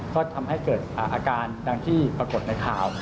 ก็ทำให้เกิดอาการดังที่ปรากฏในข่าว